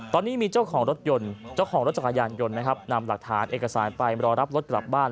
ตอนนี้มีเจ้าของรถจักรยานยนต์นำหลากฐานเอ็กสารไปรอรับรถกลับบ้าน